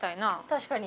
確かに。